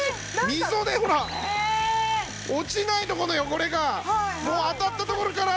溝でほら落ちないところの汚れがもう当たったところから。